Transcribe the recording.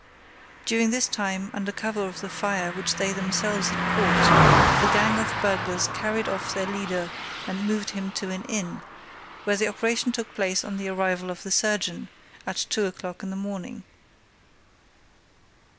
During this time, under cover of the fire which they themselves had caused, the gang of burglars carried off their leader and moved him to an inn, where the operation took place on the arrival of the surgeon, at two o'clock in the morning.